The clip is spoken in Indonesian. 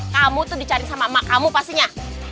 kamu tuh dicari sama kamu pastinya